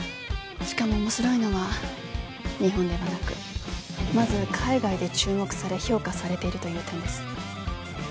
しかも面白いのは日本ではなくまず海外で注目され評価されているという点です